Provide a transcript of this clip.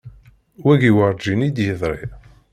Wagi werǧin i d-yeḍri.